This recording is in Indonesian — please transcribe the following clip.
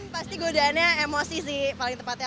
pasti godaannya emosi sih paling tepatnya